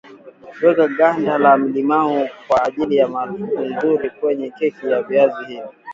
Weka ganda la limao kwa ajili ya harufu nzuri kwenye keki ya viazi li